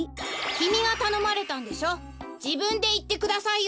きみがたのまれたんでしょじぶんでいってくださいよ！